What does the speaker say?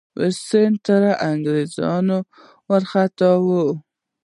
روسان تر انګریزانو لا خطرناک دي.